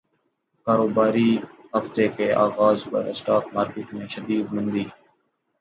کاروباری ہفتے کے اغاز پر اسٹاک مارکیٹ میں شدید مندی